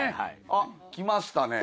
あっ来ましたね。